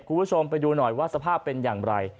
คุณผู้ชมไปดูหน่อยว่าสภาพเป็นอย่างไร